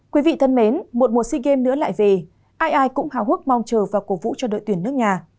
quý vị thân mến một mùa si game nữa lại về ai ai cũng hào hức mong chờ và cố vũ cho đội tuyển nước nhà